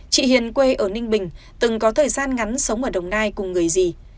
chị hiền quê ở ninh bình từng có thời gian ngắn sống ở đồng nai cùng người gì